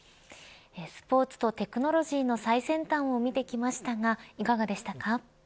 スポーツとテクノロジーの最先端を見てきましたがいかがでしたか。